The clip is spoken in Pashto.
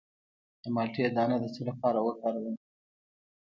د مالټې دانه د څه لپاره وکاروم؟